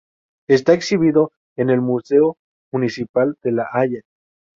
Está exhibido en el Museo municipal de La Haya.